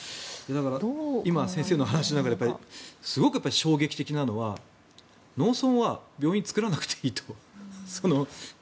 今、先生の話の中ですごく衝撃的なのは農村は病院作らなくていいと。